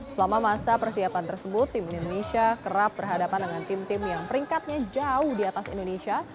selama masa persiapan tersebut tim indonesia kerap berhadapan dengan tim tim yang peringkatnya jauh di atas indonesia